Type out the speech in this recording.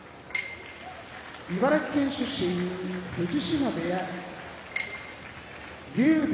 茨城県出身藤島部屋竜電